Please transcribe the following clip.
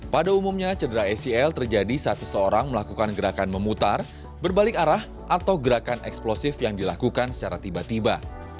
pada umumnya cedera acl terjadi saat seseorang melakukan gerakan memutar berbalik arah atau gerakan eksplosif yang dilakukan secara tiba tiba